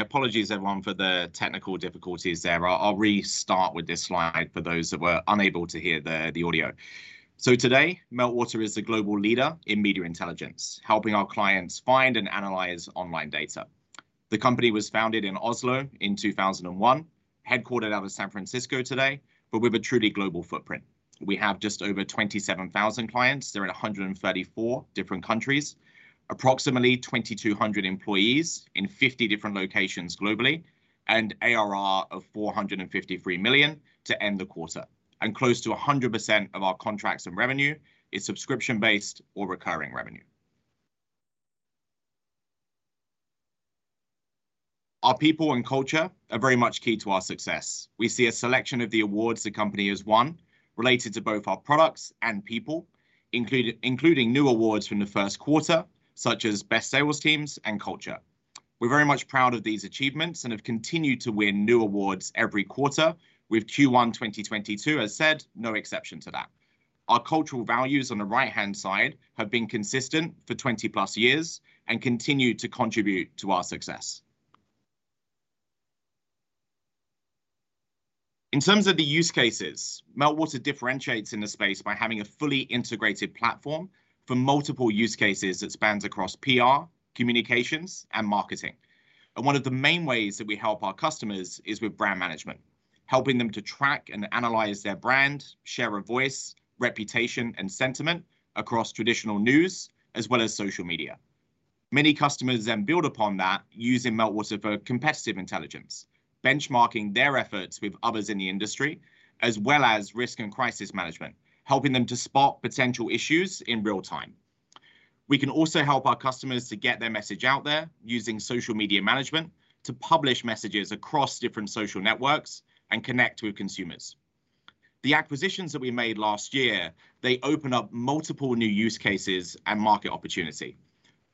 Apologies everyone for the technical difficulties there. I'll restart with this slide for those that were unable to hear the audio. Today, Meltwater is a global leader in media intelligence, helping our clients find and analyze online data. The company was founded in Oslo in 2001, headquartered out of San Francisco today, but with a truly global footprint. We have just over 27,000 clients. They're in 134 different countries. Approximately 2,200 employees in 50 different locations globally, and ARR of $453 million to end the quarter, and close to 100% of our contracts and revenue is subscription-based or recurring revenue. Our people and culture are very much key to our success. We see a selection of the awards the company has won related to both our products and people, including new awards from the first quarter, such as Best Sales Teams and Culture. We're very much proud of these achievements and have continued to win new awards every quarter with Q1 2022, as said, no exception to that. Our cultural values on the right-hand side have been consistent for 20-plus years and continue to contribute to our success. In terms of the use cases, Meltwater differentiates in the space by having a fully integrated platform for multiple use cases that spans across PR, communications, and marketing. One of the main ways that we help our customers is with brand management, helping them to track and analyze their brand, share a voice, reputation, and sentiment across traditional news as well as social media. Many customers then build upon that using Meltwater for competitive intelligence, benchmarking their efforts with others in the industry, as well as risk and crisis management, helping them to spot potential issues in real time. We can also help our customers to get their message out there using social media management to publish messages across different social networks and connect with consumers. The acquisitions that we made last year. They open up multiple new use cases and market opportunity.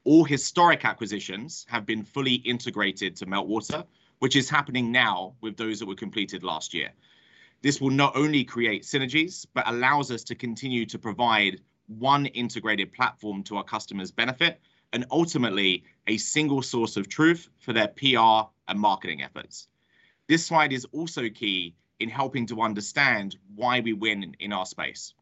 All historic acquisitions have been fully integrated to Meltwater, which is happening now with those that were completed last year. This will not only create synergies, but allows us to continue to provide one integrated platform to our customers' benefit, and ultimately a single source of truth for their PR and marketing efforts. This slide is also key in helping to understand why we win in our space.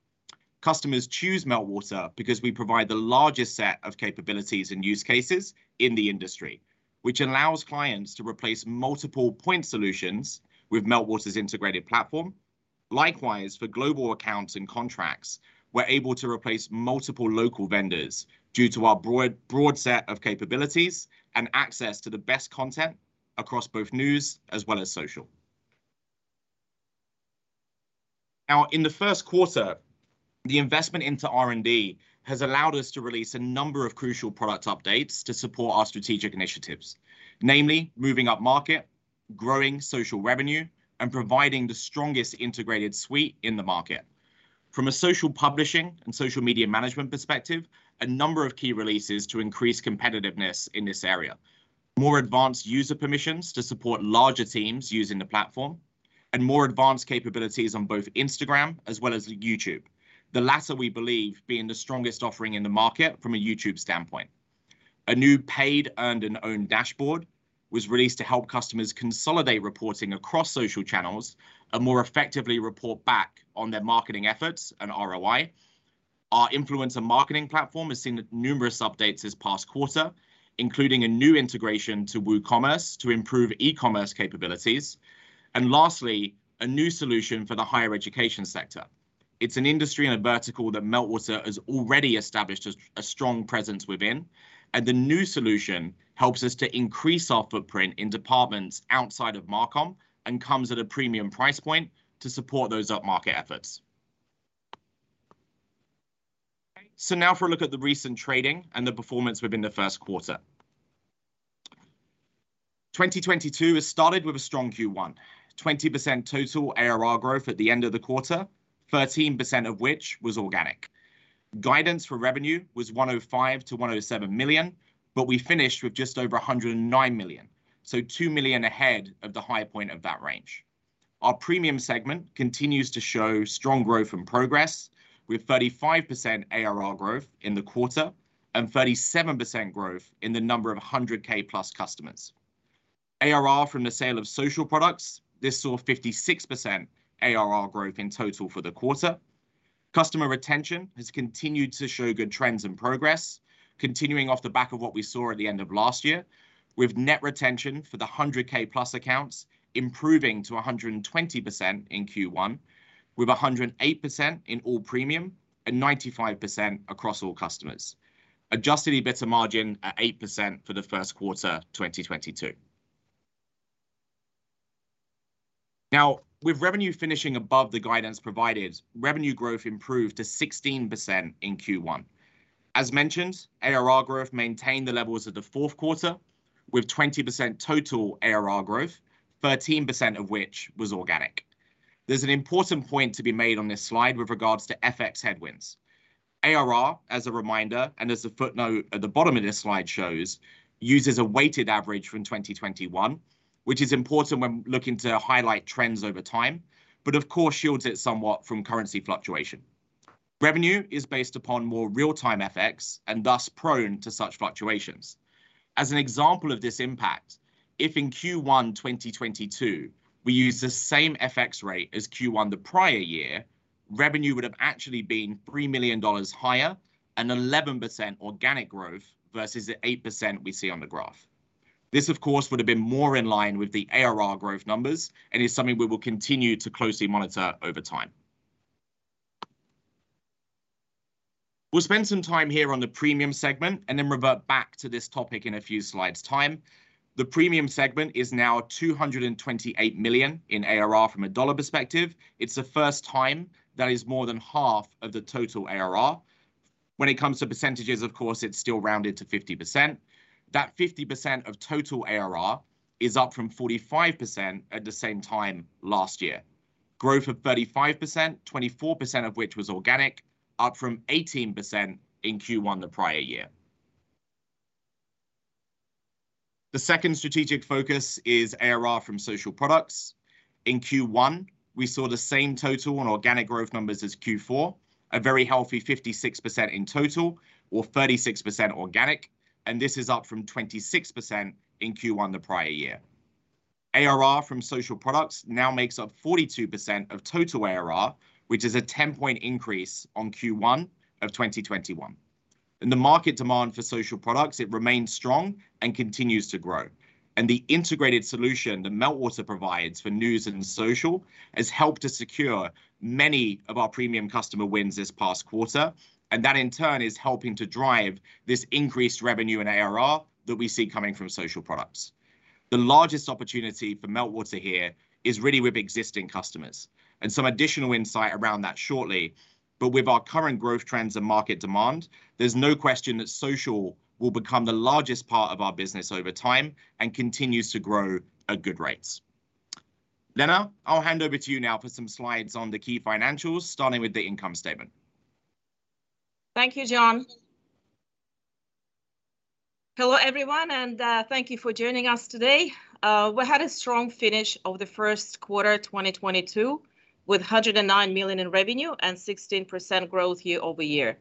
Customers choose Meltwater because we provide the largest set of capabilities and use cases in the industry, which allows clients to replace multiple point solutions with Meltwater's integrated platform. Likewise, for global accounts and contracts, we're able to replace multiple local vendors due to our broad set of capabilities and access to the best content across both news as well as social. Now in the first quarter, the investment into R&D has allowed us to release a number of crucial product updates to support our strategic initiatives, namely moving up market, growing social revenue, and providing the strongest integrated suite in the market. From a social publishing and social media management perspective, a number of key releases to increase competitiveness in this area. More advanced user permissions to support larger teams using the platform and more advanced capabilities on both Instagram as well as YouTube, the latter we believe being the strongest offering in the market from a YouTube standpoint. A new paid, earned, and owned dashboard was released to help customers consolidate reporting across social channels and more effectively report back on their marketing efforts and ROI. Our influencer marketing platform has seen numerous updates this past quarter, including a new integration to WooCommerce to improve e-commerce capabilities. Lastly, a new solution for the higher education sector. It's an industry and a vertical that Meltwater has already established a strong presence within, and the new solution helps us to increase our footprint in departments outside of MarCom and comes at a premium price point to support those up-market efforts. Now for a look at the recent trading and the performance within the first quarter. 2022 has started with a strong Q1. 20% total ARR growth at the end of the quarter, 13% of which was organic. Guidance for revenue was $105 million-$107 million, but we finished with just over $109 million, so $2 million ahead of the high point of that range. Our premium segment continues to show strong growth and progress with 35% ARR growth in the quarter and 37% growth in the number of 100K-plus customers. ARR from the sale of social products, this saw 56% ARR growth in total for the quarter. Customer retention has continued to show good trends and progress continuing off the back of what we saw at the end of last year with net retention for the 100K-plus accounts improving to 120% in Q1, with 108% in all premium and 95% across all customers. Adjusted EBITDA margin at 8% for the first quarter 2022. Now with revenue finishing above the guidance provided, revenue growth improved to 16% in Q1. As mentioned, ARR growth maintained the levels of the fourth quarter with 20% total ARR growth, 13% of which was organic. There's an important point to be made on this slide with regards to FX headwinds. ARR, as a reminder, and as the footnote at the bottom of this slide shows, uses a weighted average from 2021, which is important when looking to highlight trends over time, but of course shields it somewhat from currency fluctuation. Revenue is based upon more real-time FX, and thus prone to such fluctuations. As an example of this impact, if in Q1 2022 we used the same FX rate as Q1 the prior year, revenue would have actually been $3 million higher, and 11% organic growth versus the 8% we see on the graph. This of course would have been more in line with the ARR growth numbers, and is something we will continue to closely monitor over time. We'll spend some time here on the premium segment, and then revert back to this topic in a few slides' time. The premium segment is now $228 million in ARR from a dollar perspective. It's the first time that is more than half of the total ARR. When it comes to percentages, of course, it's still rounded to 50%. That 50% of total ARR is up from 45% at the same time last year. Growth of 35%, 24% of which was organic, up from 18% in Q1 the prior year. The second strategic focus is ARR from social products. In Q1, we saw the same total organic growth numbers as Q4. A very healthy 56% in total, or 36% organic, and this is up from 26% in Q1 the prior year. ARR from social products now makes up 42% of total ARR, which is a ten-point increase on Q1 of 2021. In the market demand for social products, it remains strong and continues to grow, and the integrated solution that Meltwater provides for news and social has helped us secure many of our premium customer wins this past quarter. That in turn is helping to drive this increased revenue and ARR that we see coming from social products. The largest opportunity for Meltwater here is really with existing customers, and some additional insight around that shortly. With our current growth trends and market demand, there's no question that social will become the largest part of our business over time, and continues to grow at good rates. Elena, I'll hand over to you now for some slides on the key financials, starting with the income statement. Thank you, John. Hello everyone, and thank you for joining us today. We had a strong finish of the first quarter 2022, with $109 million in revenue and 16% growth year over year.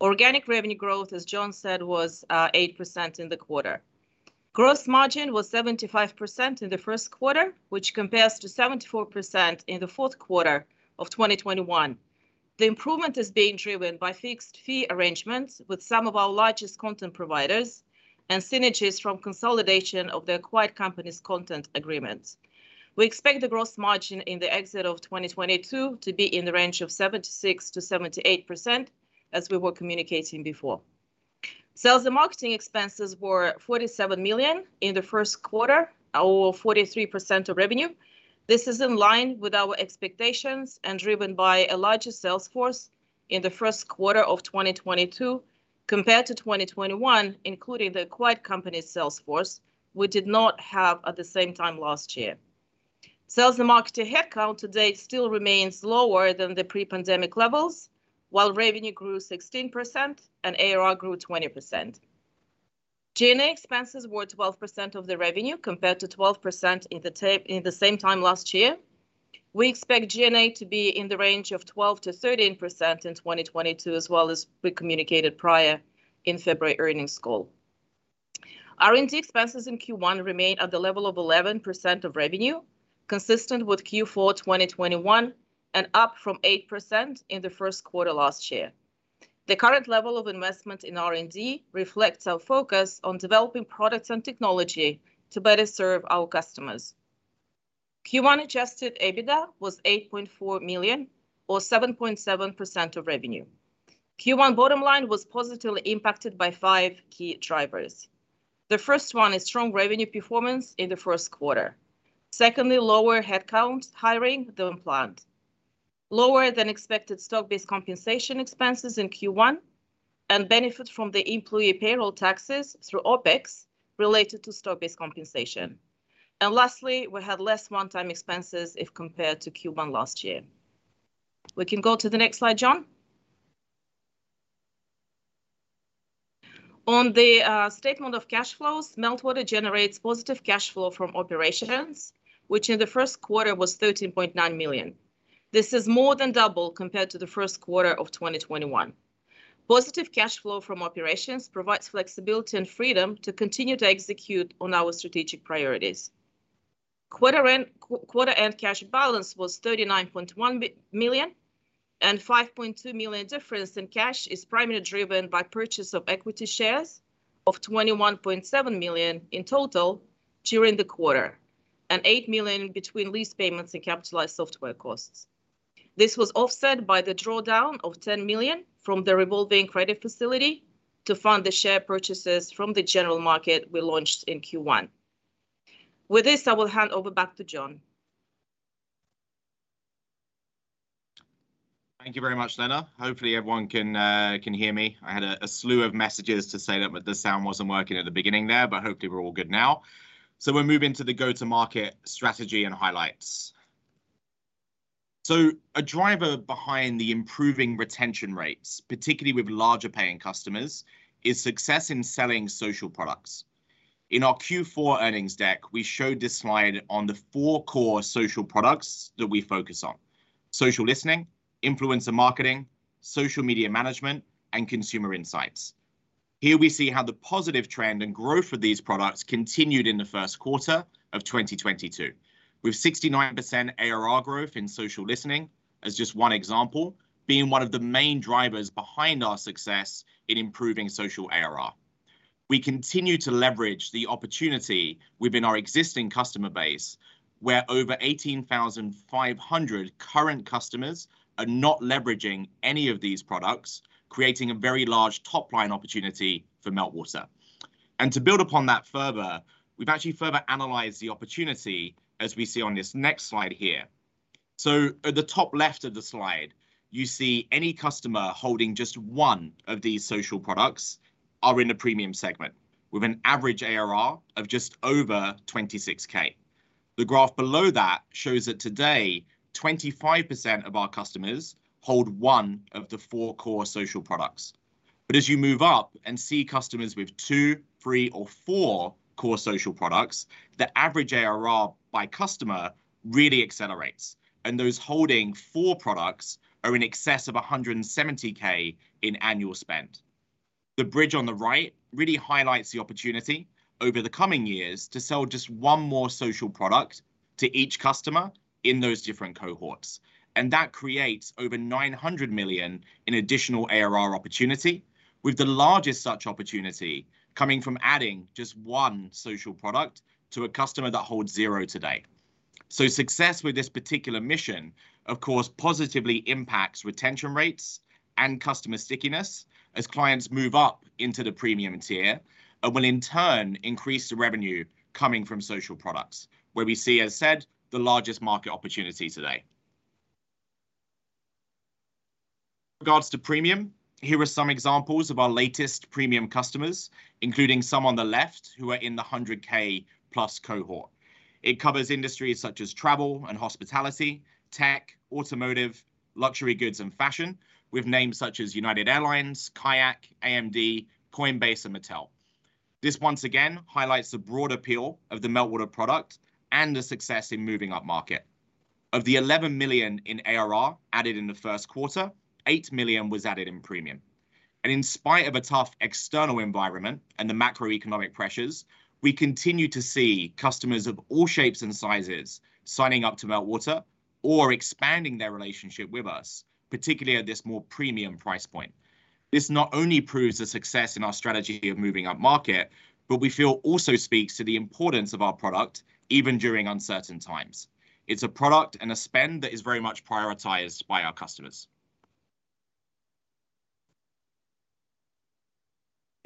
Organic revenue growth, as John said, was 8% in the quarter. Gross margin was 75% in the first quarter, which compares to 74% in the fourth quarter of 2021. The improvement is being driven by fixed fee arrangements with some of our largest content providers, and synergies from consolidation of the acquired companies' content agreements. We expect the gross margin in the exit of 2022 to be in the range of 76%-78%, as we were communicating before. Sales and marketing expenses were $47 million in the first quarter, or 43% of revenue. This is in line with our expectations, and driven by a larger sales force in the first quarter of 2022 compared to 2021, including the acquired company's sales force we did not have at the same time last year. Sales and marketing headcount today still remains lower than the pre-pandemic levels, while revenue grew 16% and ARR grew 20%. G&A expenses were 12% of the revenue compared to 12% in the same time last year. We expect G&A to be in the range of 12%-13% in 2022, as well as we communicated prior in February earnings call. R&D expenses in Q1 remain at the level of 11% of revenue, consistent with Q4 2021, and up from 8% in the first quarter last year. The current level of investment in R&D reflects our focus on developing products and technology to better serve our customers. Q1 adjusted EBITDA was $8.4 million, or 7.7% of revenue. Q1 bottom line was positively impacted by five key drivers. The first one is strong revenue performance in the first quarter. Secondly, lower headcount hiring than planned. Lower than expected stock-based compensation expenses in Q1, and benefit from the employee payroll taxes through OPEX related to stock-based compensation. Lastly, we had less one-time expenses if compared to Q1 last year. We can go to the next slide, John. On the statement of cash flows, Meltwater generates positive cash flow from operations, which in the first quarter was $13.9 million. This is more than double compared to the first quarter of 2021. Positive cash flow from operations provides flexibility and freedom to continue to execute on our strategic priorities. Quarter-end cash balance was $39.1 million, and $5.2 million difference in cash is primarily driven by purchase of equity shares of $21.7 million in total during the quarter, and $8 million between lease payments and capitalized software costs. This was offset by the drawdown of $10 million from the revolving credit facility to fund the share purchases from the general market we launched in Q1. With this, I will hand over back to John. Thank you very much, Lena. Hopefully everyone can hear me. I had a slew of messages to say that the sound wasn't working at the beginning there, but hopefully we're all good now. We're moving to the go-to-market strategy and highlights. A driver behind the improving retention rates, particularly with larger paying customers, is success in selling social products. In our Q4 earnings deck, we showed this slide on the four core social products that we focus on, social listening, influencer marketing, social media management, and Consumer Intelligence. Here we see how the positive trend and growth of these products continued in the first quarter of 2022, with 69% ARR growth in social listening as just one example being one of the main drivers behind our success in improving social ARR. We continue to leverage the opportunity within our existing customer base, where over 18,500 current customers are not leveraging any of these products, creating a very large top-line opportunity for Meltwater. To build upon that further, we've actually further analyzed the opportunity as we see on this next slide here. At the top left of the slide, you see any customer holding just one of these social products are in a premium segment, with an average ARR of just over $26K. The graph below that shows that today 25% of our customers hold one of the four core social products. As you move up and see customers with two, three, or four core social products, the average ARR by customer really accelerates, and those holding four products are in excess of $170K in annual spend. The bridge on the right really highlights the opportunity over the coming years to sell just one more social product to each customer in those different cohorts, and that creates over $900 million in additional ARR opportunity, with the largest such opportunity coming from adding just one social product to a customer that holds zero today. Success with this particular mission, of course, positively impacts retention rates and customer stickiness as clients move up into the premium tier and will in turn increase the revenue coming from social products where we see, as said, the largest market opportunity today. With regards to premium, here are some examples of our latest premium customers, including some on the left who are in the $100K+ cohort. It covers industries such as travel and hospitality, tech, automotive, luxury goods and fashion, with names such as United Airlines, KAYAK, AMD, Coinbase, and Mattel. This once again highlights the broad appeal of the Meltwater product and the success in moving up market. Of the $11 million in ARR added in the first quarter, $8 million was added in premium. In spite of a tough external environment and the macroeconomic pressures, we continue to see customers of all shapes and sizes signing up to Meltwater or expanding their relationship with us, particularly at this more premium price point. This not only proves a success in our strategy of moving up market, but we feel also speaks to the importance of our product even during uncertain times. It's a product and a spend that is very much prioritized by our customers.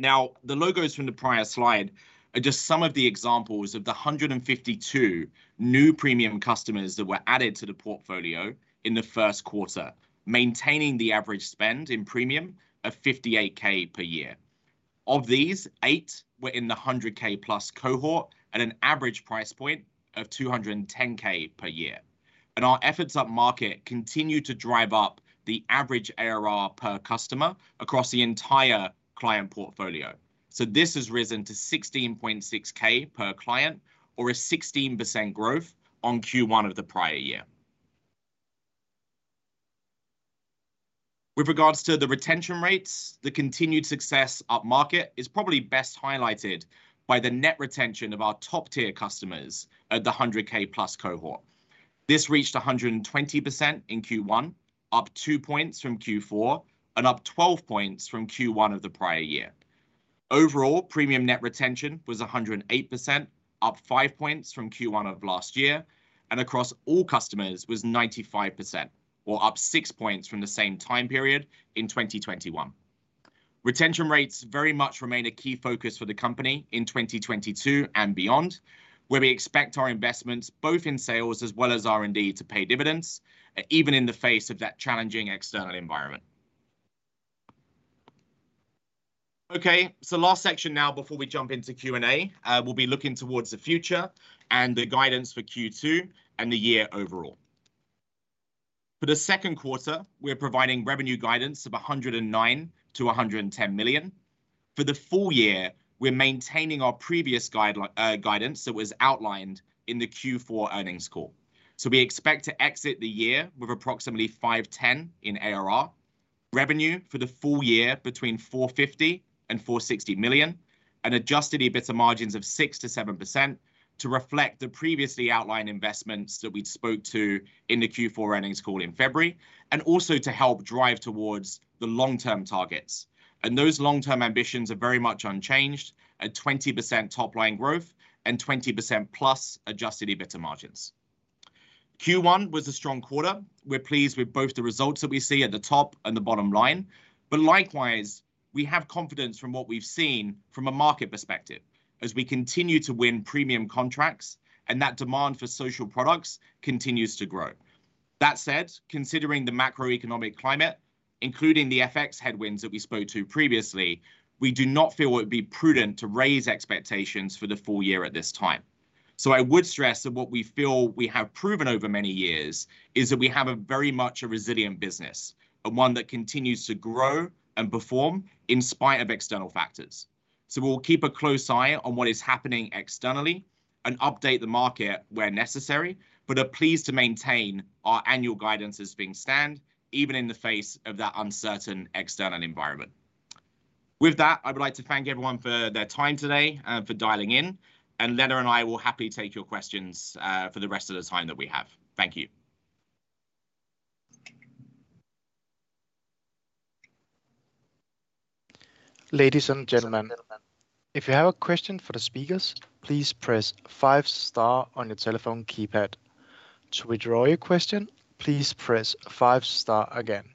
Now, the logos from the prior slide are just some of the examples of the 152 new premium customers that were added to the portfolio in the first quarter, maintaining the average spend in premium of $58K per year. Of these, eight were in the 100K plus cohort at an average price point of $210K per year. Our efforts up market continue to drive up the average ARR per customer across the entire client portfolio. This has risen to $16.6K per client or a 16% growth on Q1 of the prior year. With regards to the retention rates, the continued success up market is probably best highlighted by the net retention of our top-tier customers at the 100K-plus cohort. This reached 120% in Q1, up two points from Q4 and up 12 points from Q1 of the prior year. Overall, premium Net Retention was 108%, up five points from Q1 of last year, and across all customers was 95%, or up six points from the same time period in 2021. Retention rates very much remain a key focus for the company in 2022 and beyond, where we expect our investments both in sales as well as R&D to pay dividends, even in the face of that challenging external environment. Okay, last section now before we jump into Q&A, we'll be looking towards the future and the guidance for Q2 and the year overall. For the second quarter, we're providing revenue guidance of $109 million-$110 million. For the full year, we're maintaining our previous guidance that was outlined in the Q4 earnings call. We expect to exit the year with approximately $510 million in ARR. Revenue for the full year between $450 million and $460 million, and adjusted EBITDA margins of 6%-7% to reflect the previously outlined investments that we spoke to in the Q4 earnings call in February and also to help drive towards the long-term targets. Those long-term ambitions are very much unchanged at 20% top-line growth and 20%+ adjusted EBITDA margins. Q1 was a strong quarter. We're pleased with both the results that we see at the top and the bottom line. Likewise, we have confidence from what we've seen from a market perspective as we continue to win premium contracts and that demand for social products continues to grow. That said, considering the macroeconomic climate, including the FX headwinds that we spoke to previously, we do not feel it would be prudent to raise expectations for the full year at this time. I would stress that what we feel we have proven over many years is that we have a very much a resilient business, and one that continues to grow and perform in spite of external factors. We'll keep a close eye on what is happening externally, and update the market where necessary, but are pleased to maintain our annual guidance as being standalone even in the face of that uncertain external environment. With that, I would like to thank everyone for their time today, for dialing in, and Elena and I will happily take your questions, for the rest of the time that we have. Thank you. Ladies and gentlemen, if you have a question for the speakers, please press five star on your telephone keypad. To withdraw your question, please press five star again.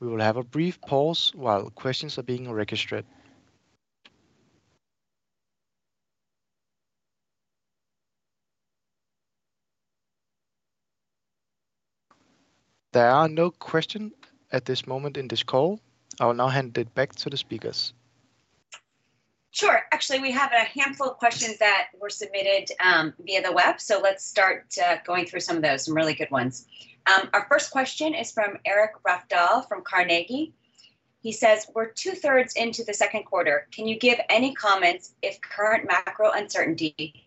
We will have a brief pause while questions are being registered. There are no questions at this moment in this call. I will now hand it back to the speakers. Sure. Actually, we have a handful of questions that were submitted via the web. Let's start going through some of those, some really good ones. Our first question is from Eirik Rafdal from Carnegie. He says, "We're two-thirds into the second quarter. Can you give any comments if current macro uncertainty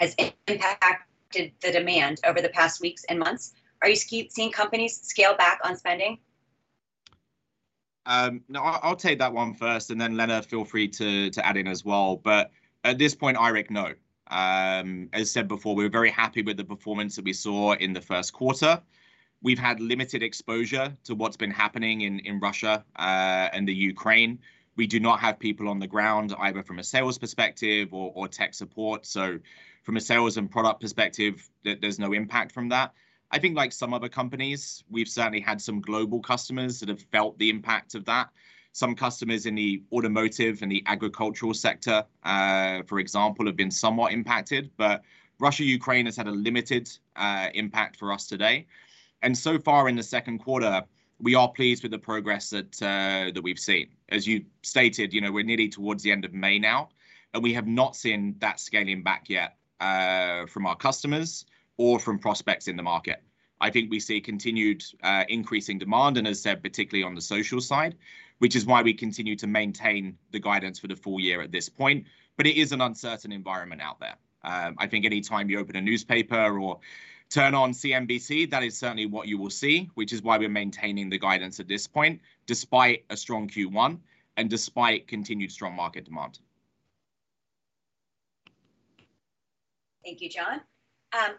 has impacted the demand over the past weeks and months? Are you seeing companies scale back on spending? No, I'll take that one first, and then Lena, feel free to add in as well. At this point, Eirik, no. As I said before, we're very happy with the performance that we saw in the first quarter. We've had limited exposure to what's been happening in Russia and the Ukraine. We do not have people on the ground, either from a sales perspective or tech support. From a sales and product perspective, there's no impact from that. I think like some other companies, we've certainly had some global customers that have felt the impact of that. Some customers in the automotive and the agricultural sector, for example, have been somewhat impacted. Russia-Ukraine has had a limited impact for us today. So far in the second quarter, we are pleased with the progress that we've seen. As you stated, you know, we're nearly towards the end of May now, and we have not seen that scaling back yet from our customers or from prospects in the market. I think we see continued increasing demand, and as I said, particularly on the social side, which is why we continue to maintain the guidance for the full year at this point, but it is an uncertain environment out there. I think any time you open a newspaper or turn on CNBC, that is certainly what you will see, which is why we're maintaining the guidance at this point, despite a strong Q1, and despite continued strong market demand. Thank you, John.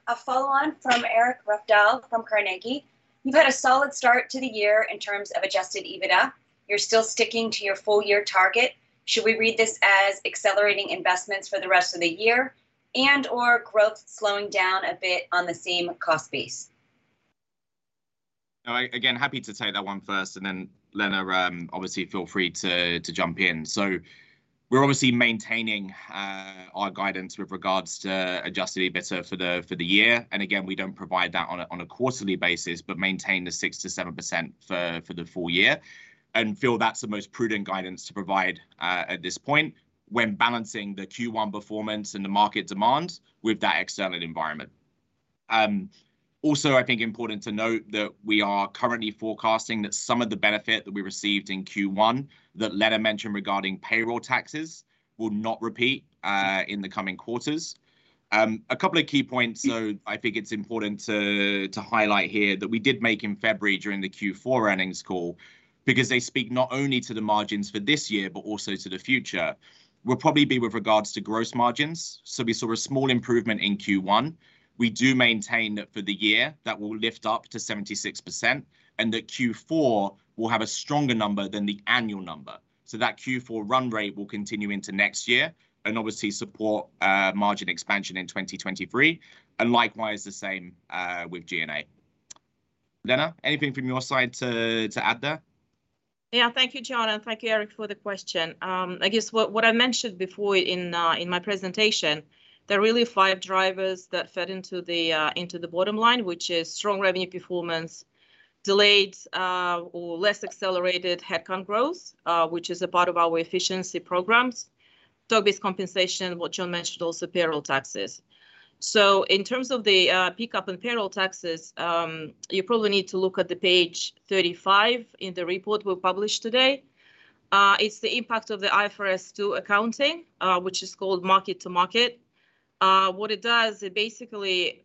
A follow-on from Eirik Rafdal from Carnegie, "You've had a solid start to the year in terms of adjusted EBITDA. You're still sticking to your full year target. Should we read this as accelerating investments for the rest of the year and/or growth slowing down a bit on the same cost base? All right. Again, happy to take that one first, and then Elena, obviously feel free to jump in. We're obviously maintaining our guidance with regards to adjusted EBITDA for the year. Again, we don't provide that on a quarterly basis, but maintain the 6%-7% for the full year, and feel that's the most prudent guidance to provide at this point when balancing the Q1 performance and the market demand with that external environment. Also, I think important to note that we are currently forecasting that some of the benefit that we received in Q1, that Elena mentioned regarding payroll taxes, will not repeat in the coming quarters. A couple of key points though I think it's important to highlight here that we did make in February during the Q4 earnings call, because they speak not only to the margins for this year, but also to the future, will probably be with regards to gross margins. We saw a small improvement in Q1. We do maintain that for the year, that will lift up to 76%, and that Q4 will have a stronger number than the annual number. That Q4 run rate will continue into next year, and obviously support margin expansion in 2023, and likewise the same with G&A. Elena, anything from your side to add there? Yeah. Thank you, John, and thank you, Eirik, for the question. I guess what I mentioned before in my presentation, there are really five drivers that fed into the bottom line, which is strong revenue performance, delayed or less accelerated head count growth, which is a part of our efficiency programs. Stock-based compensation, what John mentioned, also payroll taxes. In terms of the pickup in payroll taxes, you probably need to look at page 35 in the report we published today. It's the impact of the IFRS 2 accounting, which is called mark-to-market. What it does, it basically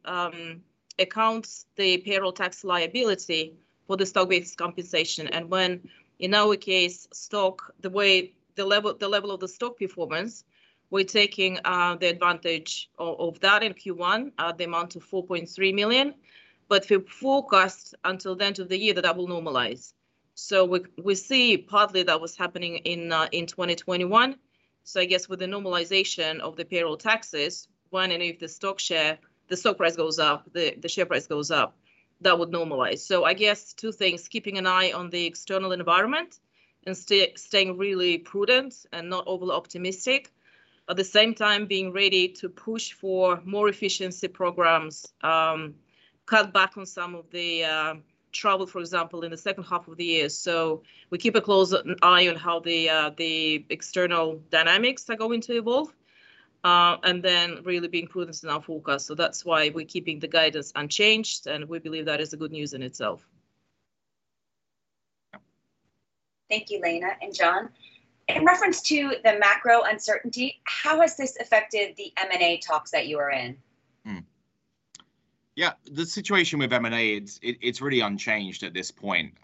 accounts the payroll tax liability for the stock-based compensation. When, in our case, the way the level of the stock performance, we're taking the advantage of that in Q1 at the amount of $4.3 million. We forecast until the end of the year that that will normalize. We see partly that was happening in 2021. I guess with the normalization of the payroll taxes, when and if the stock price goes up, the share price goes up, that would normalize. I guess two things, keeping an eye on the external environment and staying really prudent and not overly optimistic. At the same time, being ready to push for more efficiency programs, cut back on some of the travel, for example, in the second half of the year. We keep a close eye on how the external dynamics are going to evolve, and then really being prudent in our forecast. That's why we're keeping the guidance unchanged, and we believe that is a good news in itself. Thank you, Elena and John. In reference to the macro uncertainty, how has this affected the M&A talks that you are in? Yeah, the situation with M&A, it's really unchanged at this point.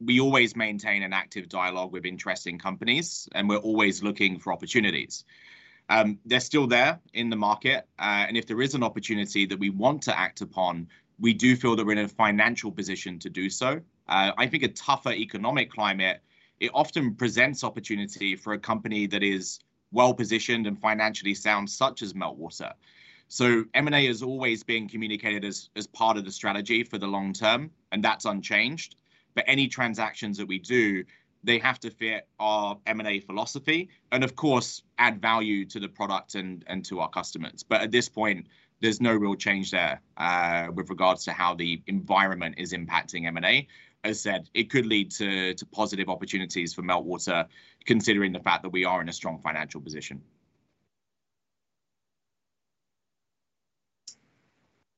We always maintain an active dialogue with interesting companies, and we're always looking for opportunities. They're still there in the market. If there is an opportunity that we want to act upon, we do feel that we're in a financial position to do so. I think a tougher economic climate often presents opportunity for a company that is well-positioned and financially sound, such as Meltwater. M&A is always being communicated as part of the strategy for the long term, and that's unchanged. Any transactions that we do, they have to fit our M&A philosophy, and of course add value to the product and to our customers. At this point, there's no real change there with regards to how the environment is impacting M&A. As said, it could lead to positive opportunities for Meltwater considering the fact that we are in a strong financial position.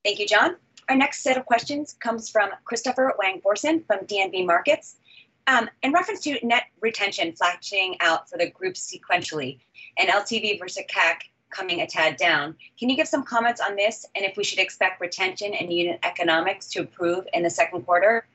Thank you, John. Our next set of questions comes from Kristoffer Langfors from DNB Markets. In reference to Net Retention flatlining out for the group sequentially, and LTV versus CAC coming a tad down, can you give some comments on this, and if we should expect retention in unit economics to improve in the second quarter?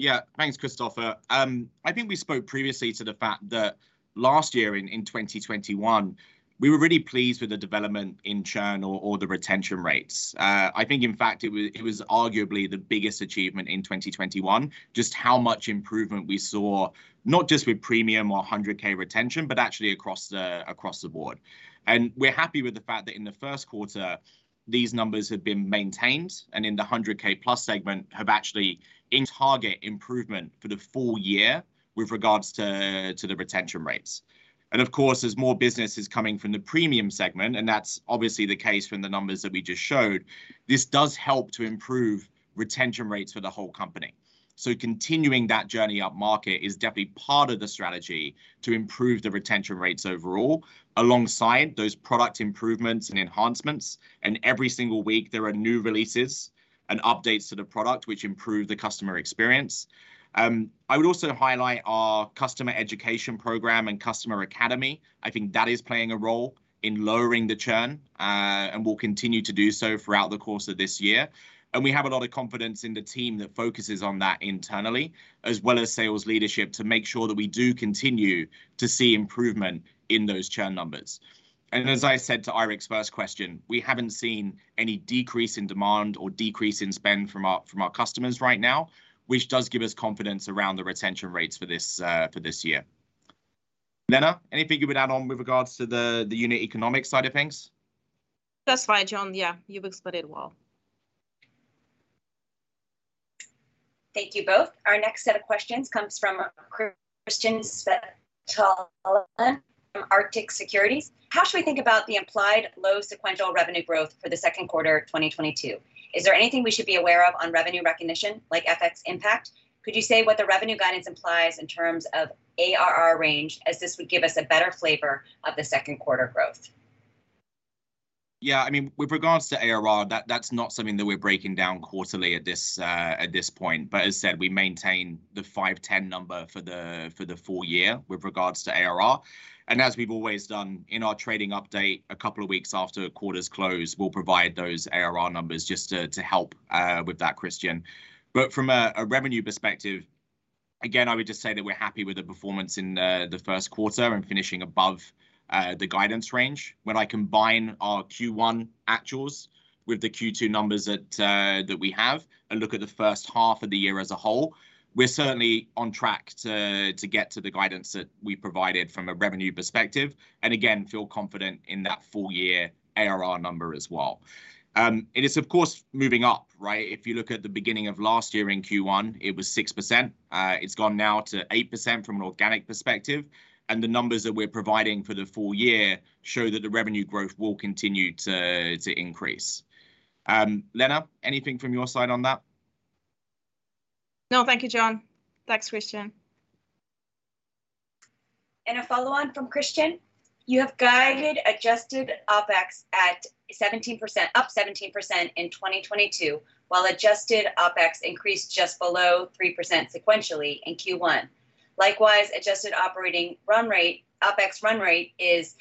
Yeah, thanks, Kristoffer. I think we spoke previously to the fact that last year in 2021, we were really pleased with the development in churn or the retention rates. I think in fact it was arguably the biggest achievement in 2021, just how much improvement we saw, not just with premium or 100K retention, but actually across the board. We're happy with the fact that in the first quarter these numbers have been maintained, and in the 100K plus segment have actually in target improvement for the full year with regards to the retention rates. Of course, as more business is coming from the premium segment, and that's obviously the case from the numbers that we just showed, this does help to improve retention rates for the whole company. Continuing that journey upmarket is definitely part of the strategy to improve the retention rates overall alongside those product improvements and enhancements. Every single week there are new releases and updates to the product which improve the customer experience. I would also highlight our customer education program and customer academy. I think that is playing a role in lowering the churn, and will continue to do so throughout the course of this year. We have a lot of confidence in the team that focuses on that internally, as well as sales leadership to make sure that we do continue to see improvement in those churn numbers. As I said to Eirik's first question, we haven't seen any decrease in demand or decrease in spend from our customers right now, which does give us confidence around the retention rates for this year. Elena, anything you would add on with regards to the unit economic side of things? That's fine, John. Yeah, you've explained it well. Thank you both. Our next set of questions comes from Kristian Spetalen from Arctic Securities. How should we think about the implied low sequential revenue growth for the second quarter of 2022? Is there anything we should be aware of on revenue recognition, like FX impact? Could you say what the revenue guidance implies in terms of ARR range, as this would give us a better flavor of the second quarter growth? Yeah, I mean, with regards to ARR, that's not something that we're breaking down quarterly at this point. As said, we maintain the 5-10 number for the full year with regards to ARR. As we've always done in our trading update, a couple of weeks after quarters close we'll provide those ARR numbers just to help with that, Kristian. From a revenue perspective, again I would just say that we're happy with the performance in the first quarter and finishing above the guidance range. When I combine our Q1 actuals with the Q2 numbers that we have and look at the first half of the year as a whole, we're certainly on track to get to the guidance that we provided from a revenue perspective, and again, feel confident in that full year ARR number as well. It is of course moving up, right? If you look at the beginning of last year in Q1, it was 6%. It's gone now to 8% from an organic perspective, and the numbers that we're providing for the full year show that the revenue growth will continue to increase. Elena, anything from your side on that? No, thank you, John. Thanks, Kristian. A follow-on from Kristian Spetalen. You have guided adjusted OpEx at 17% up 17% in 2022, while adjusted OpEx increased just below 3% sequentially in Q1. Likewise, adjusted operating run rate, OpEx run rate is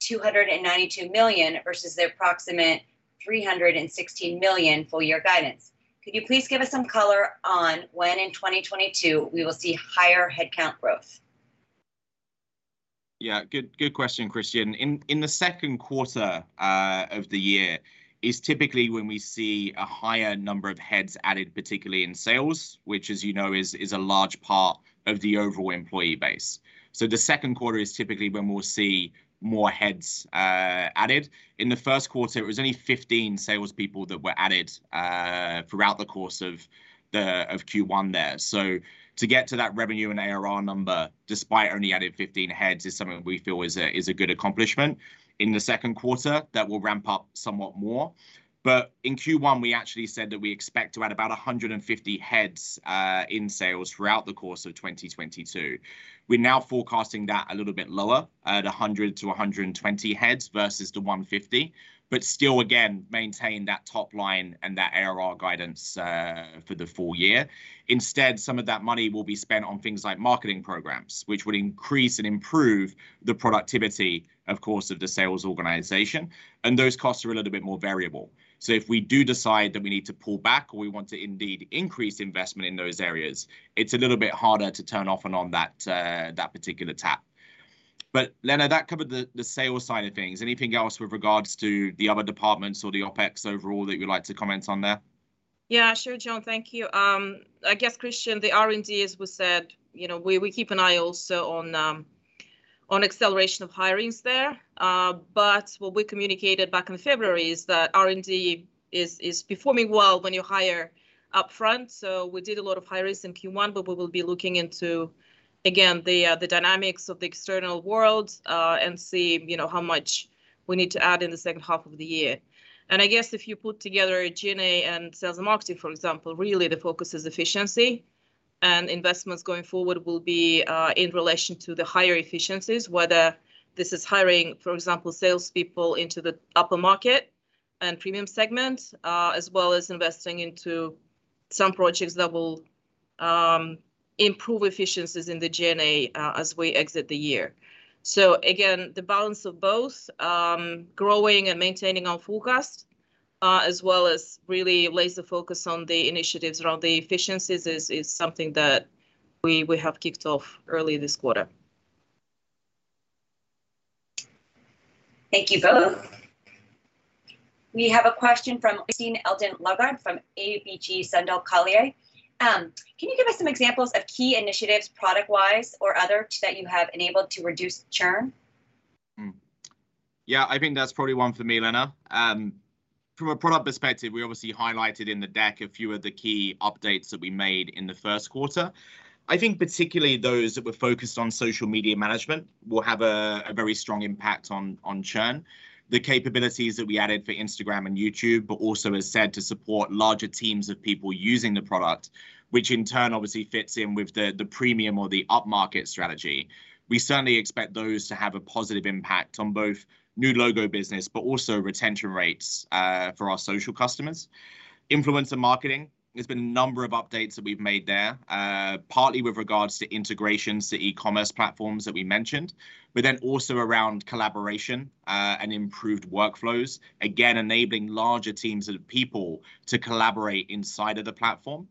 $292 million versus the approximate $316 million full year guidance. Could you please give us some color on when in 2022 we will see higher headcount growth? Yeah, good question, Kristian. In the second quarter of the year is typically when we see a higher number of heads added, particularly in sales, which as you know is a large part of the overall employee base. The second quarter is typically when we'll see more heads added. In the first quarter, it was only 15 salespeople that were added throughout the course of Q1 there. To get to that revenue and ARR number despite only adding 15 heads is something that we feel is a good accomplishment. In the second quarter, that will ramp up somewhat more. In Q1, we actually said that we expect to add about 150 heads in sales throughout the course of 2022. We're now forecasting that a little bit lower, at 100-120 heads versus the 150, but still again maintain that top line and that ARR guidance, for the full year. Instead, some of that money will be spent on things like marketing programs, which would increase and improve the productivity of course of the sales organization, and those costs are a little bit more variable. If we do decide that we need to pull back or we want to indeed increase investment in those areas, it's a little bit harder to turn off and on that particular tap. Elena, that covered the sales side of things. Anything else with regards to the other departments or the OpEx overall that you'd like to comment on there? Yeah, sure, John. Thank you. I guess, Christian, the R&D as we said, you know, we keep an eye also on acceleration of hirings there. What we communicated back in February is that R&D is performing well when you hire upfront, so we did a lot of hirings in Q1, but we will be looking into, again, the dynamics of the external world, and see, you know, how much we need to add in the second half of the year. I guess if you put together G&A and sales and marketing, for example, really the focus is efficiency, and investments going forward will be in relation to the higher efficiencies, whether this is hiring, for example, sales people into the upper market and premium segment, as well as investing into some projects that will improve efficiencies in the G&A, as we exit the year. Again, the balance of both growing and maintaining our forecast, as well as really laser focus on the initiatives around the efficiencies is something that we have kicked off early this quarter. Thank you both. We have a question from Øystein Elton Lodgaard from ABG Sundal Collier. Can you give us some examples of key initiatives product-wise or other things that you have enabled to reduce churn? Yeah, I think that's probably one for me, Elena. From a product perspective we obviously highlighted in the deck a few of the key updates that we made in the first quarter. I think particularly those that were focused on Social Media Management will have a very strong impact on churn. The capabilities that we added for Instagram and YouTube, but also as said to support larger teams of people using the product, which in turn obviously fits in with the premium or the up-market strategy. We certainly expect those to have a positive impact on both new logo business, but also retention rates for our social customers. Influencer marketing, there's been a number of updates that we've made there, partly with regards to integrations to e-commerce platforms that we mentioned, but then also around collaboration and improved workflows. Again, enabling larger teams of people to collaborate inside of the platform.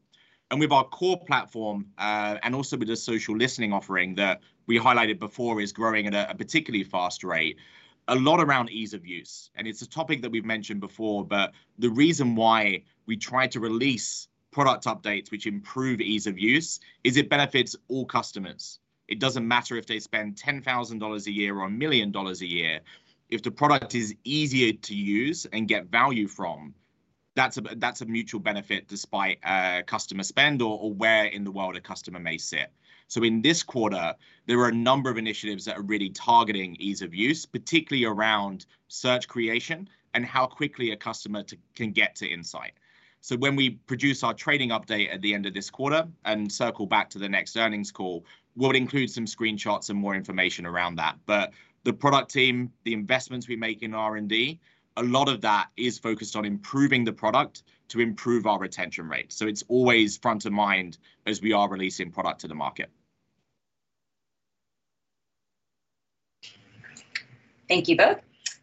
With our core platform, and also with the social listening offering that we highlighted before is growing at a particularly fast rate, a lot around ease of use. It's a topic that we've mentioned before, but the reason why we try to release product updates which improve ease of use is it benefits all customers. It doesn't matter if they spend $10,000 a year or $1 million a year, if the product is easier to use and get value from, that's a mutual benefit despite customer spend or where in the world a customer may sit. In this quarter there are a number of initiatives that are really targeting ease of use, particularly around search creation and how quickly a customer can get to insight. When we produce our trading update at the end of this quarter and circle back to the next earnings call, we'll include some screenshots and more information around that. The product team, the investments we make in R&D, a lot of that is focused on improving the product to improve our retention rate, so it's always front of mind as we are releasing product to the market. Thank you both.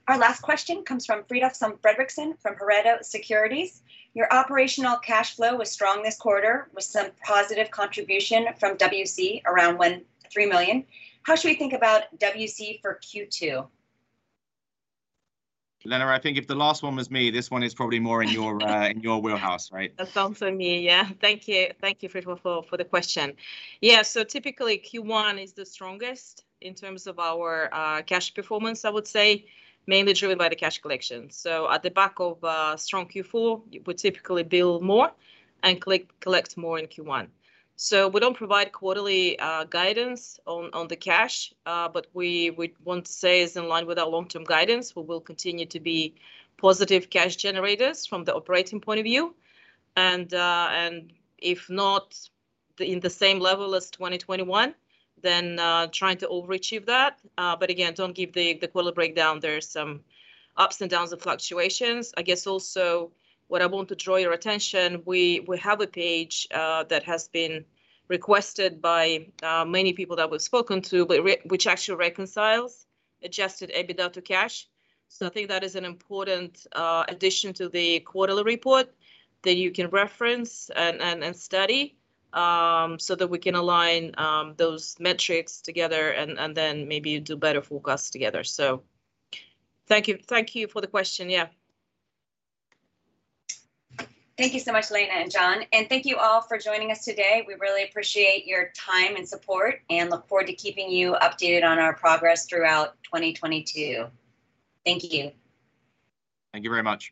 Our last question comes from Fridtjof Semb Fredricsson from Pareto Securities. Your operational cash flow was strong this quarter with some positive contribution from WC around $1.3 million. How should we think about WC for Q2? Elena, I think if the last one was me, this one is probably more in your wheelhouse, right? That's all for me, yeah. Thank you. Thank you, Fridtjof, for the question. Yeah, typically Q1 is the strongest in terms of our cash performance, I would say, mainly driven by the cash collection. At the back of a strong Q4, you would typically bill more and collect more in Q1. We don't provide quarterly guidance on the cash, but we want to say it's in line with our long-term guidance. We will continue to be positive cash generators from the operating point of view. If not in the same level as 2021, then trying to overachieve that. Again, don't give the quarter breakdown. There are some ups and downs and fluctuations. I guess also what I want to draw your attention, we have a page that has been requested by many people that we've spoken to, which actually reconciles adjusted EBITDA to cash. I think that is an important addition to the quarterly report that you can reference and study, so that we can align those metrics together and then maybe do better forecast together. Thank you. Thank you for the question, yeah. Thank you so much, Lena and John, and thank you all for joining us today. We really appreciate your time and support, and look forward to keeping you updated on our progress throughout 2022. Thank you. Thank you very much.